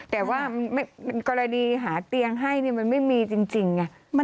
แต่ว่ากรณีหาเตียงให้มันไม่มีจริงไง